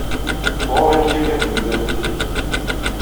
Tɣurr-ik yakan temdakelt-ik?